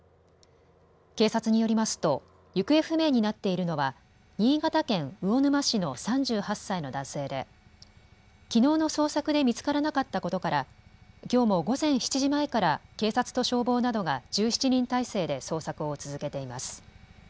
警察によりますと行方不明になっているのは新潟県魚沼市の３８歳の男性できのうの捜索で見つからなかったことからきょうも午前７時前から警察と消防などが１７人態勢で捜索を続けています。